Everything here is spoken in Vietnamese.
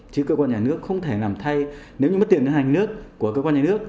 chứ cơ quan nhà nước không thể làm thay nếu như mất tiền nước của cơ quan nhà nước